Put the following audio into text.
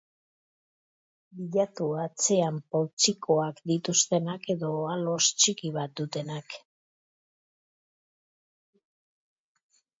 Bilatu atzean poltsikoak dituztenak edo aloz txiki bat dutenak.